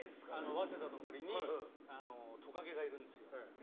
早稲田の森にトカゲがいるんですよ。